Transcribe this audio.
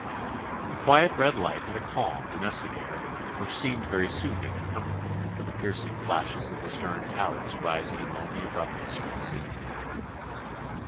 The quiet red light had a calm, domestic air which seemed very soothing and com forting after the piercing flashes of the stern towers rising in lonely abruptness from the sea.